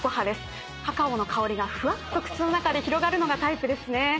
カカオの香りがふわっと口の中で広がるのがタイプですね。